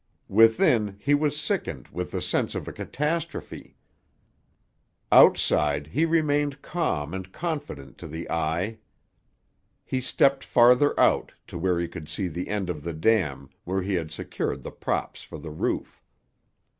Within he was sickened with the sense of a catastrophe; outside he remained calm and confident to the eye. He stepped farther out, to where he could see the end of the dam where he had secured the props for the roof.